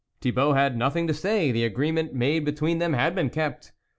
Thibault had nothing to say ; the agree ment made between them had been kept.